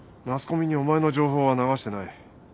マスコミにお前の情報は流してない。